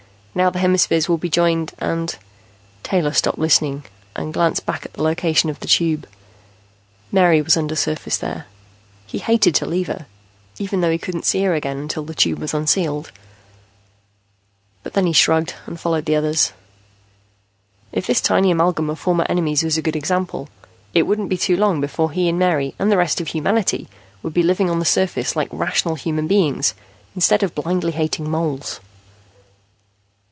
Now the hemispheres will be joined and " Taylor stopped listening and glanced back at the location of the Tube. Mary was undersurface there. He hated to leave her, even though he couldn't see her again until the Tube was unsealed. But then he shrugged and followed the others. If this tiny amalgam of former enemies was a good example, it wouldn't be too long before he and Mary and the rest of humanity would be living on the surface like rational human beings instead of blindly hating moles.